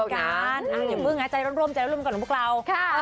อย่ามึงนะใจร่วมก่อนของพวกเรา